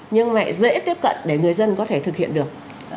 nhưng lại dễ tiếp cận để người dân có thể thực hiện được